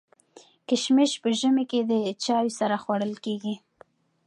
کشمش په ژمي کي د چايو سره خوړل کيږي.